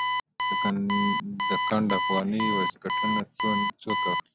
د ګنډ افغاني واسکټونه څوک اخلي؟